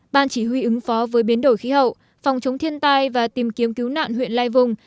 ban chỉ huy ứng phó với biến đổi khí hậu phòng chống thiên tai và tìm kiếm cứu nạn huyện lai vùng